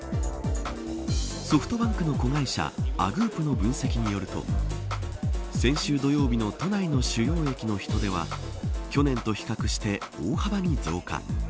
ソフトバンクの子会社Ａｇｏｏｐの分析によると先週土曜日の都内の主要駅の人出は去年と比較して大幅に増加。